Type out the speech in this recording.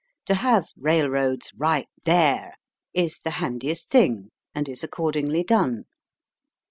To have railroads "right there'* is the handiest thing, and is accordingly done.